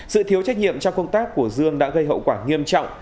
sự thiếu trách nhiệm trong công tác của dương đã gây hậu quả nghiêm trọng